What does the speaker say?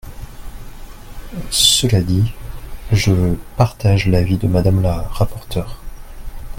Cela dit, je partage l’avis de Madame la rapporteure.